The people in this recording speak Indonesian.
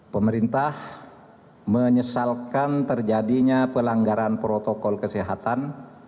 pemerintah menyesalkan terjadinya pelanggaran protokol kesehatan